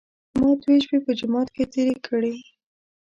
ما دوې شپې په جومات کې تېرې کړې.